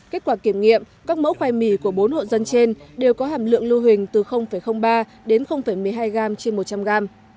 kết quả kiểm nghiệm các mẫu khoai mì của bốn hộ dân trên đều có hàm lượng lưu hình từ ba đến một mươi hai gram trên một trăm linh gram